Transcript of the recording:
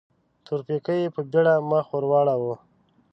تورپيکۍ په بيړه مخ ور واړاوه.